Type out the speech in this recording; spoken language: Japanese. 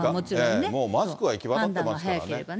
もうマスクは行き渡ってますからね。